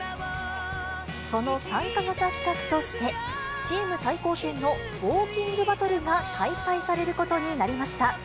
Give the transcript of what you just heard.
その参加型企画としてチーム対抗戦のウオーキングバトルが開催されることになりました。